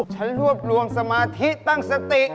ฉันรวบรวมสมาธิตั้งสติ